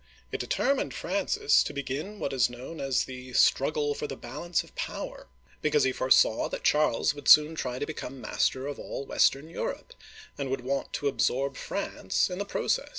It determined Francis to begin what is known as the " Struggle for the Balance of Power," because he foresaw that Charles would soon try to become master of all western Europe, and would want to absorb France in the process.